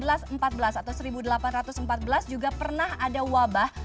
atau seribu delapan ratus empat belas juga pernah ada wabah